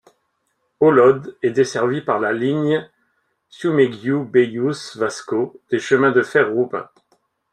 Holod est desservie par la ligne Ciumeghiu-Beiuș-Vașcău des Chemins de fer roumains.